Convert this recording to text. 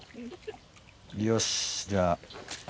よしじゃあ。